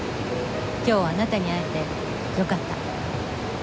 今日あなたに会えてよかった。